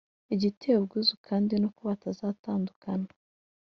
Igiteye ubwuzu kandi, N’ uko batazatandukana,